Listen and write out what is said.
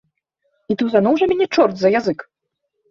І тузануў жа мяне чорт за язык.